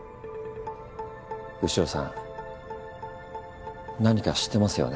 牛尾さん何か知ってますよね？